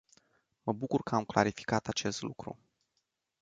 Mă bucur că am clarificat acest lucru.